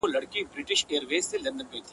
لوڅ لپړ توره تر ملا شمله یې جګه،